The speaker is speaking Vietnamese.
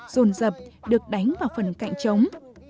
rồn rập được đánh vào phần cạnh trống